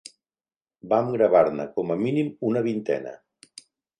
Vam gravar-ne com a mínim una vintena.